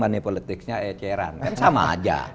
money politicsnya eceran kan sama aja